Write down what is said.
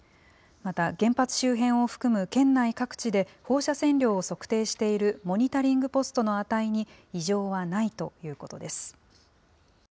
また、原発周辺を含む、県内各地で、放射線量を測定しているモニタリングポストの値に異常はないということです。